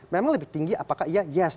memang lebih tinggi apakah ia yes